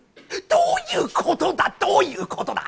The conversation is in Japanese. どういうことだ、どういうことだ！